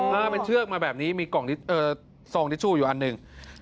เออเป็นเชือกมาแบบนี้มีกล่องซองทิชชู่อยู่อันหนึ่ง